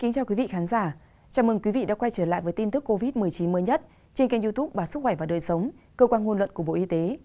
chào mừng quý vị đã quay trở lại với tin tức covid một mươi chín mới nhất trên kênh youtube bà sức khỏe và đời sống cơ quan nguồn luận của bộ y tế